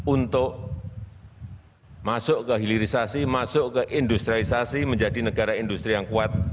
untuk masuk ke hilirisasi masuk ke industrialisasi menjadi negara industri yang kuat